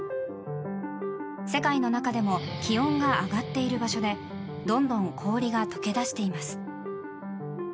世界の中でも気温が上がっている場所でどんどん氷が解け出しています。